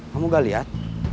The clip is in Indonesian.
kamu gak liat